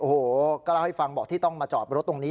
โอ้โหก็เล่าให้ฟังบอกที่ต้องมาจอดรถตรงนี้